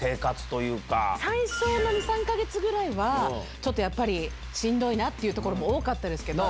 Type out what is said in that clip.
最初の２、３か月ぐらいは、ちょっとやっぱり、しんどいなっていうところも多かったですけど。